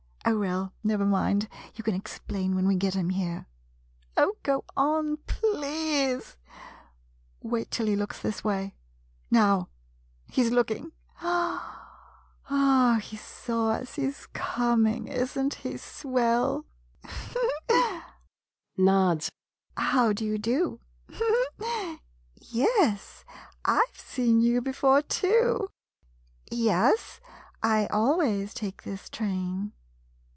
Oh, well — never mind, you can explain when we get him here — Oh, go on — p 1 e a s e ! Wait till he looks this way — now — he 's looking. He saw us — he 's coming. Is n't he swell? [Nods and giggles.] How d' you do? Yes, I've seen you before, too ! Yes, I always take this train.